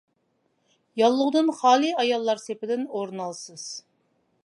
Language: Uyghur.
ياللۇغدىن خالىي ئاياللار سېپىدىن ئورۇن ئالىسىز.